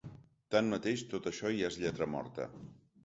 Tanmateix, tot això ja és lletra morta.